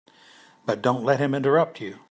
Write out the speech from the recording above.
But don't let him interrupt you.